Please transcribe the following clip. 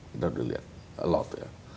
kita sudah lihat banyak ya